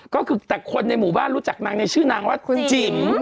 ก็คือแต่คนในหมู่บ้านรู้จักนางในชื่อนางว่าคุณจิ๋ม